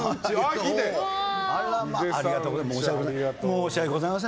ありがとうございます。